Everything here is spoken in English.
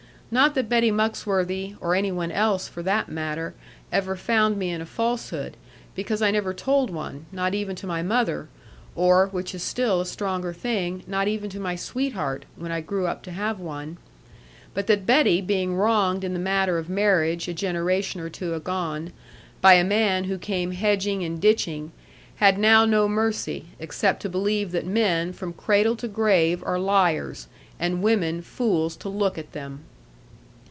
Not that Betty Muxworthy, or any one else, for that matter, ever found me in a falsehood, because I never told one, not even to my mother or, which is still a stronger thing, not even to my sweetheart (when I grew up to have one) but that Betty being wronged in the matter of marriage, a generation or two agone, by a man who came hedging and ditching, had now no mercy, except to believe that men from cradle to grave are liars, and women fools to look at them.